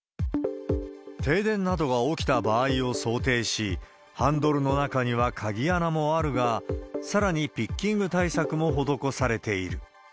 停電などが起きた場合を想定し、ハンドルの中には鍵穴もあるが、さらにピッキング対策も施されている。